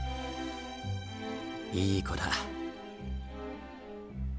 いい子だ。